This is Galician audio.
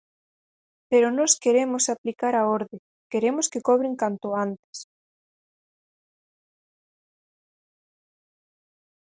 Pero nós queremos aplicar a orde, queremos que cobren canto antes.